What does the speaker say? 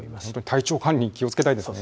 体調管理、気をつけたいですね。